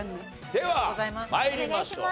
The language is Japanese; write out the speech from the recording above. では参りましょう。